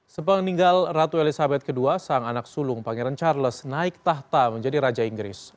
sepenggal ratu elizabeth ii sang anak sulung pangeran charles naik tahta menjadi raja inggris